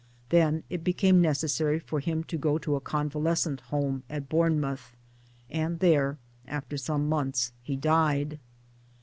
Then it became necessary for him to go to a convalescent Home at Bournemouth ; and there after some months he died.